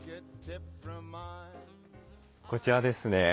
こちらですね。